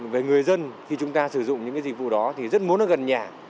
về người dân khi chúng ta sử dụng những dịch vụ đó thì rất muốn gần nhà